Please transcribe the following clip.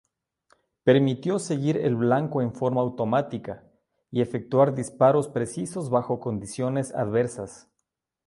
Permitió seguir el blanco en forma automática y efectuar disparos precisos bajo condiciones adversas.